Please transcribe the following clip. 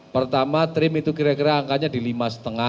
pertama trim itu kira kira angkanya